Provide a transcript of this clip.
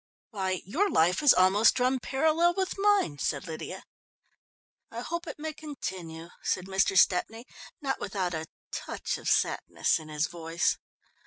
"Why, your life has almost run parallel with mine," said Lydia. "I hope it may continue," said Mr. Stepney not without a touch of sadness in his voice.